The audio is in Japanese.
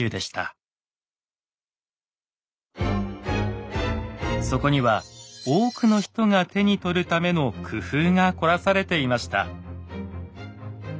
そこには多くの人が手に取るための工夫が凝らされていました。